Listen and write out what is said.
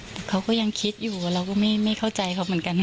แต่เขาก็ยังคิดอยู่เราก็ไม่เข้าใจเขาเหมือนกัน